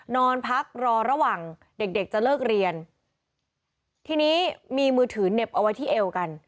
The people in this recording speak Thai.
นอนพักรอระหว่างเด็กเด็กจะเลิกเรียนทีนี้มีมือถือเหน็บเอาไว้ที่เอวกัน